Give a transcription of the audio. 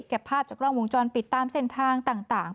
ภาพจากกล้องวงจรปิดตามเส้นทางต่าง